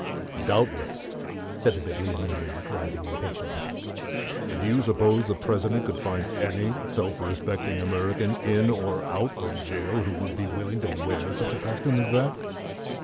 "Doubtless," said the Bibliomaniac, rising impatiently. "And do you suppose the President could find any self respecting American in or out of jail who would be willing to wear such a costume as that?"